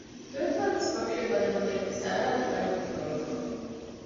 ދުވެފައި ގޮސް ކޮޓަރިއަށް ވަދެވުނުއިރު ސަރާއަށްވަނީ ރޮވިފަ